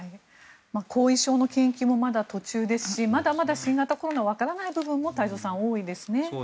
後遺症の研究もまだ途中ですしまだまだ新型コロナのわからない部分も太蔵さん多いですね。